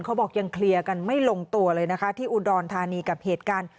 เขาบอกยังเคลียร์กันไม่ลงตัวเลยนะคะที่อุดรธานีกับเหตุการณ์